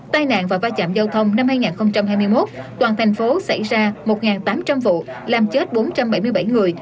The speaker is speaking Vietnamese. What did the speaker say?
tai nạn và va chạm giao thông năm hai nghìn hai mươi một toàn thành phố xảy ra một tám trăm linh vụ làm chết bốn trăm bảy mươi bảy người